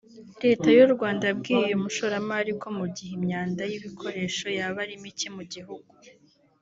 Leta y’u Rwanda yabwiye uyu mushoramari ko mu gihe imyanda y’ibikoresho yaba ari mike mu gihugu